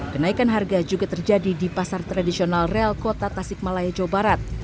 kenaikan harga juga terjadi di pasar tradisional rel kota tasik malaya jawa barat